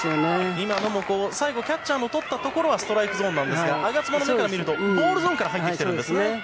今のも最後キャッチャーがとったところはストライクゾーンなんですが我妻の目から見るとボールゾーンから入ってきているんです。